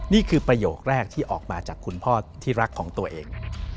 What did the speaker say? ประโยคแรกที่ออกมาจากคุณพ่อที่รักของตัวเอง